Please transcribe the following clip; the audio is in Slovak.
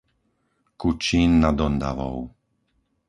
Kučín nad Ondavou